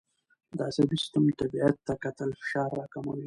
د عصبي سیستم طبیعت ته کتل فشار راکموي.